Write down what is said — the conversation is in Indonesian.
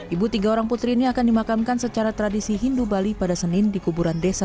ibu tiga orang putri ini akan dimakamkan secara tradisi hindu bali pada senin di kuburan desa